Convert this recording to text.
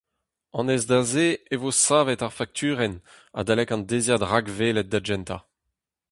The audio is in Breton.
Anez da se e vo savet ar fakturenn adalek an deiziad rakwelet da gentañ.